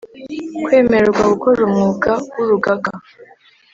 kwemererwa gukora umwuga w Urugaga